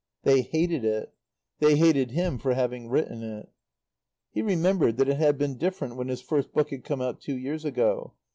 They hated it. They hated him for having written it. He remembered that it had been different when his first book had come out two years ago.